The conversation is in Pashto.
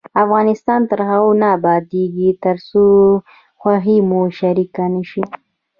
افغانستان تر هغو نه ابادیږي، ترڅو خوښي مو شریکه نشي.